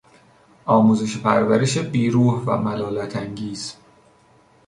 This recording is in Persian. آموزش و پرورش بی روح و ملالت انگیز